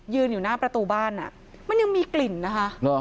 อยู่หน้าประตูบ้านมันยังมีกลิ่นนะคะ